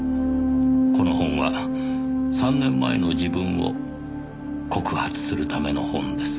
「この本は３年前の自分を告発するための本です」